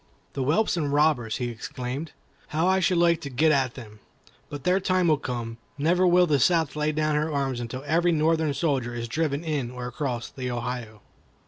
"The whelps and robbers!" he exclaimed; "how I should like to get at them! But their time will come. Never will the South lay down her arms until every Northern soldier is driven in or across the Ohio."